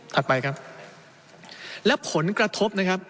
ไปครับและผลกระทบนะครับ